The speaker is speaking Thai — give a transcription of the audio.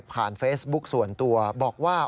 เฟซบุ๊กส่วนตัวบอกว่า